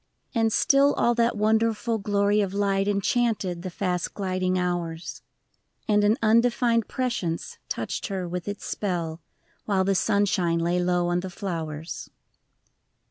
I IV. And still all that wonderful glory of light Enchanted the fast gliding hours, And an undefined prescience touched her with its spell While the sunshine lay low on the flowers, — V.